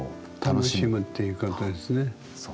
楽しむっていうことですね。